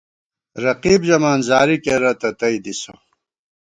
رقیب ژَمان زاری کېرہ تہ تئ دِسہ